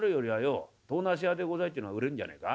『唐茄子屋でござい』ってのが売れんじゃねえか？」。